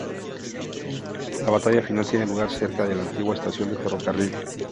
La batalla final tiene lugar cerca de una antigua estación de ferrocarril.